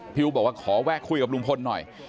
อุ๊บอกว่าขอแวะคุยกับลุงพลหน่อย